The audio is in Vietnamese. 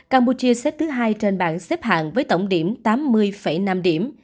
campuchia xếp thứ hai trên bảng xếp hạng với tổng điểm tám mươi năm điểm